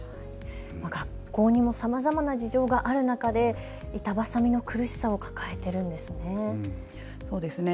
学校にもさまざまな事情がある中で板挟みの苦しさを抱えているんですね。